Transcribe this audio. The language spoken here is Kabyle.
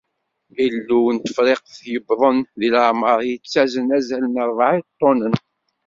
Ilew n Tefriqt yewwḍen deg leεmer yettazan azal n rebεa iṭunen.